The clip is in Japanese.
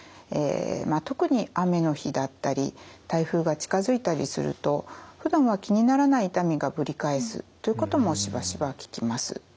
まあ特に雨の日だったり台風が近づいたりするとふだんは気にならない痛みがぶり返すということもしばしば聞きます。